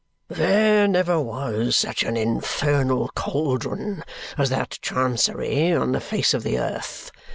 "There never was such an infernal cauldron as that Chancery on the face of the earth!"